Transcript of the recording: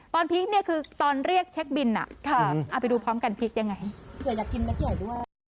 ตอนเรียกเช็คบินอะเอาไปดูพร้อมกันพริกยังไงคืออยากกินไหมที่ไหนด้วย